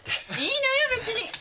いいのよ別に。